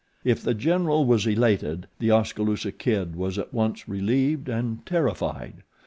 If The General was elated The Oskaloosa Kid was at once relieved and terrified.